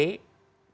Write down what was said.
kita bandingkan antara